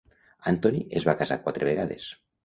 Anthony es va casar quatre vegades.